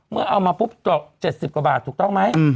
เมื่อเอามาปุ๊บจ่อ๗๐กว่าบาทถูกต้องไหม